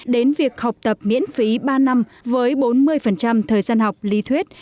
đến việc học tập miễn phí ba năm với bốn mươi thời gian học lý thuyết